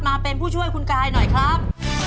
มาเป็นผู้ช่วยคุณกายหน่อยครับ